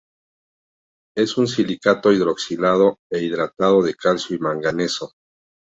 Es un silicato hidroxilado e hidratado de calcio y manganeso.